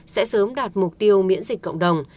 sẽ sớm đạt mục tiêu miễn dịch cộng đồng